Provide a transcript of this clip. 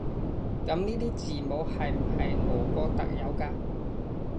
噉呢啲字母係唔係俄國特有㗎？